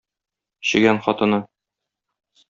Чегән хатыны.